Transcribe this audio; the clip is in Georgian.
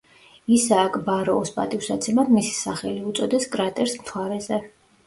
ისააკ ბაროუს პატივსაცემად მისი სახელი უწოდეს კრატერს მთვარეზე.